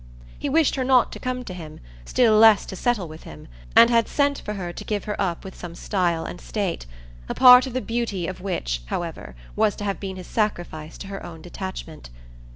He wished her not to come to him, still less to settle with him, and had sent for her to give her up with some style and state; a part of the beauty of which, however, was to have been his sacrifice to her own detachment.